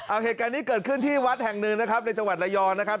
เอาเหตุการณ์นี้เกิดขึ้นที่วัดแห่งหนึ่งนะครับในจังหวัดระยองนะครับ